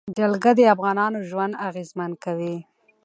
جلګه د افغانانو ژوند اغېزمن کوي.